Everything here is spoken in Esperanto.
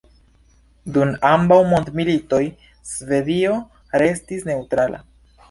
Dum ambaŭ mondmilitoj Svedio restis neŭtrala.